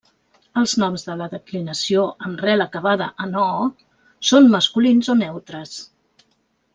Els noms de la declinació amb rel acabada en -O, són masculins o neutres.